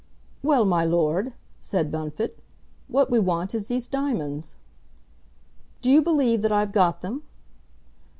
"Well, my lord," said Bunfit, "what we want is these diamonds." "Do you believe that I've got them?"